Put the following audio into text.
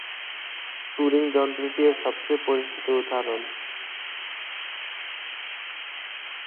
Turing যন্ত্রটি এর সবচেয়ে পরিচিত উদাহরণ।